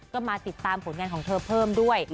ก็มาติดตามผลงานของเธอเพิ่มด้วย